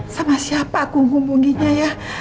sama siapa aku hubunginya ya